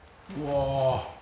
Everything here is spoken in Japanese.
うわ！